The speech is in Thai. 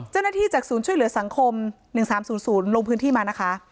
จากศูนย์ช่วยเหลือสังคม๑๓๐๐ลงพื้นที่มานะคะ